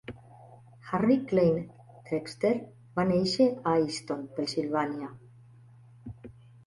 Harry Clay Trexler va néixer a Easton, Pennsilvània.